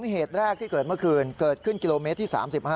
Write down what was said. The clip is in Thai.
เหตุแรกที่เกิดเมื่อคืนเกิดขึ้นกิโลเมตรที่๓๕